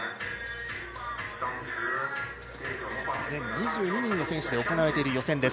全２２人の選手で行われる予選